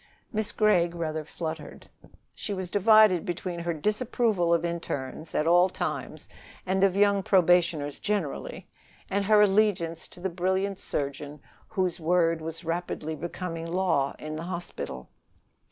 Miss Gregg rather fluttered. She was divided between her disapproval of internes at all times and of young probationers generally, and her allegiance to the brilliant surgeon whose word was rapidly becoming law in the hospital.